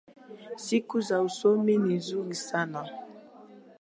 Siku za usoni ni nzuri sana